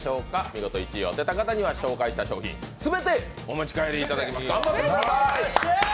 見事１位を当てた方には、紹介した商品全て持ち帰っていただきます。